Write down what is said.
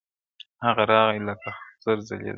هغه راغی لکه خضر ځلېدلی-